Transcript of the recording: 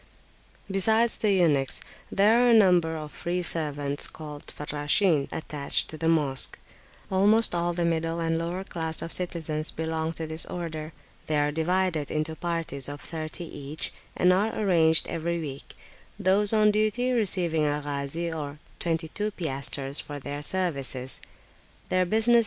Besides the eunuchs, there are a number of free servants, called Farrashin, attached to the Mosque; almost all the middle and lower class of citizens belong to this order. They are divided into parties of thirty each, and are changed every week, those on duty receiving a Ghazi or twenty two piastres for their services. Their business [p.